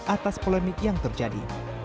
atas polemik yang terjadi